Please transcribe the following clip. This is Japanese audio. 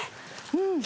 うん。